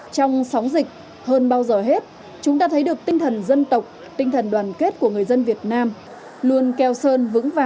trong sóng dịch hơn bao giờ hết chúng ta thấy được tinh thần dân tộc tinh thần đoàn kết của người dân việt nam luôn keo sơn vững vàng